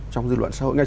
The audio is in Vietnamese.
trong dư luận xã hội